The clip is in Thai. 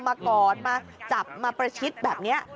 มากอดมาจับมาประชิดแบบนี้